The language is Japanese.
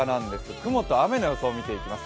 雲と雨の予想を見てみます。